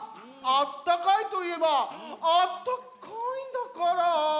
「あったかい」といえば「あったかいんだからぁ」だね。